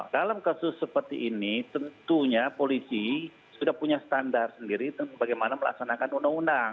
dalam kasus seperti ini tentunya polisi sudah punya standar sendiri bagaimana melaksanakan undang undang